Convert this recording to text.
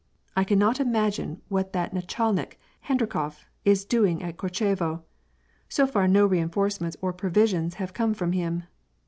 I cannot imagine what that nachalnik, Hendrikof, is doing at KorcheTo; so far no reinforcements or provisions have come from him.